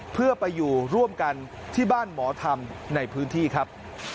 เพื่อไปอยู่ร่วมกันที่บ้านหมอธรรมในพื้นที่ครับ